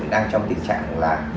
đang trong tình trạng là